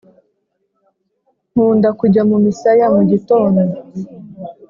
Nkunda kujya mu misaya mugitond